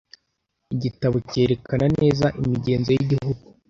Igitabo cyerekana neza imigenzo y'igihugu.